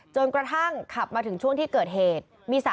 กระทั่งขับมาถึงช่วงที่เกิดเหตุ